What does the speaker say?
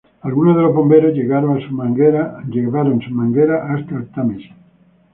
Algunos de los bomberos llevaron sus mangueras hasta el Támesis.